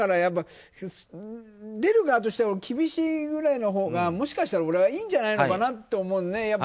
出る側としては厳しいぐらいのほうがもしかしたら俺はいいんじゃないのかなと思うのね。